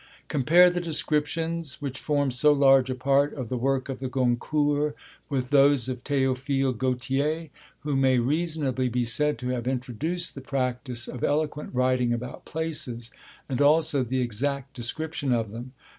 Compare the descriptions, which form so large a part of the work of the Goncourts, with those of Théophile Gautier, who may reasonably be said to have introduced the practice of eloquent writing about places, and also the exact description of them.